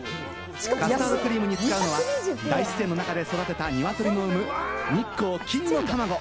カスタードクリームに使うのは、大自然の中で育てた鶏の産む、日光金乃卵。